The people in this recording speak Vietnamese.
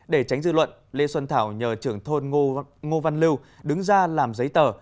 để tránh dư luận lê xuân thảo nhờ trưởng thôn ngô văn lưu đứng ra làm giấy tờ